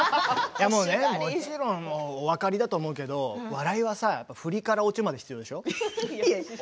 もちろんお分かりだと思うけど笑いは振りからオチまで必要でしょ。